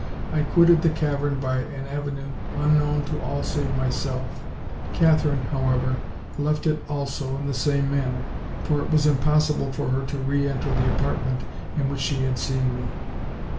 I quitted the cavern by an avenue unknown to all save myself; Katherine, however, left it also in the same manner; for it was impossible for her to re enter the apartment in which she had seen me.